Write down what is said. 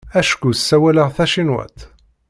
Acku ssawaleɣ tacinwat.